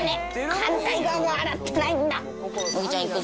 反対側洗ってないんだ。